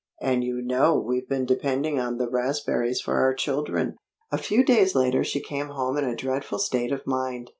"And you know we've been depending on the raspberries for our children." A few days later she came home in a dreadful state of mind.